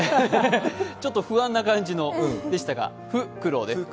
ちょっと不安な感じでしたが。